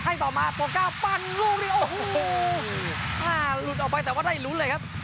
ต่อมาโปรก้าวปั้นลูกนี้โอ้โหอ่าหลุดออกไปแต่ว่าได้ลุ้นเลยครับ